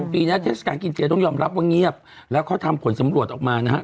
ปีนี้เทศกาลกินเจต้องยอมรับว่าเงียบแล้วเขาทำผลสำรวจออกมานะฮะ